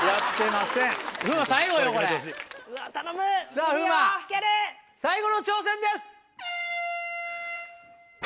さぁ風磨最後の挑戦です！